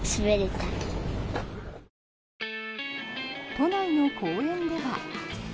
都内の公園では。